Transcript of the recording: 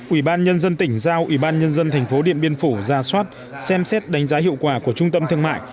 ubnd tỉnh giao ubnd tp điện biên phủ ra soát xem xét đánh giá hiệu quả của trung tâm thương mại